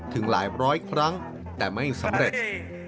ถึงหลายร้อยครั้งแต่ไม่สำเร็จ